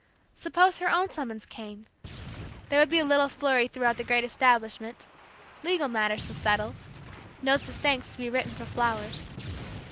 Suppose her own summons came; there would be a little flurry throughout the great establishment, legal matters to settle, notes of thanks to be written for flowers.